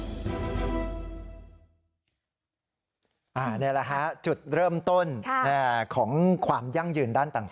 นี่แหละฮะจุดเริ่มต้นของความยั่งยืนด้านต่าง